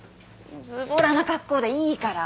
ずぼらな格好でいいから。